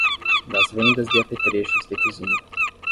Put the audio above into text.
das vendas de apetrechos de cozinha